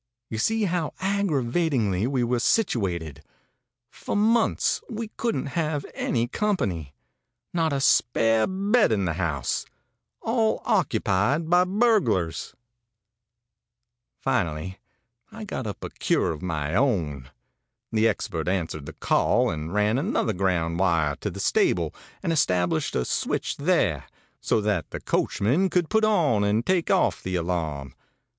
You see how aggravatingly we were situated. For months we couldn't have any company. Not a spare bed in the house; all occupied by burglars. ãFinally, I got up a cure of my own. The expert answered the call, and ran another ground wire to the stable, and established a switch there, so that the coachman could put on and take off the alarm.